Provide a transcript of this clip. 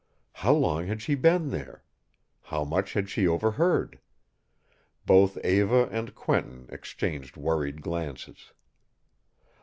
How long had she been there? How much had she overheard? Both Eva and Quentin exchanged worried glances.